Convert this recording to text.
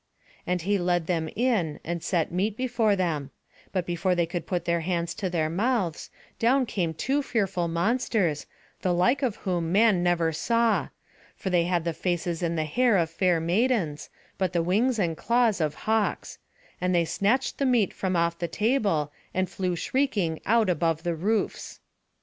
And he led them in, and set meat before them; but before they could put their hands to their mouths, down came two fearful monsters, the like of whom man never saw; for they had the faces and the hair of fair maidens, but the wings and claws of hawks; and they snatched the meat from off the table, and flew shrieking out above the roofs.